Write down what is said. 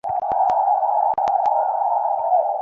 মানে, বহির্জাগতিক জিনিসগুলো সেখানেই লুকিয়ে আছে।